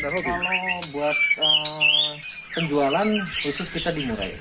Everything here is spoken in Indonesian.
kalau buat penjualan khusus kita di murai